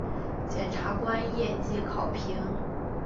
检察官业绩考评